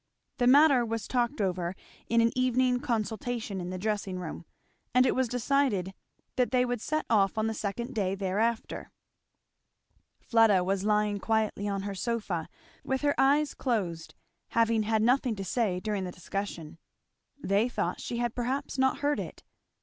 The matter was talked over in an evening consultation in the dressing room, and it was decided that they would set off on the second day thereafter. Fleda was lying quietly on her sofa, with her eyes closed, having had nothing to say during the discussion. They thought she had perhaps not heard it.